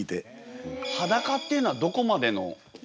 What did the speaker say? はだかっていうのはどこまでの？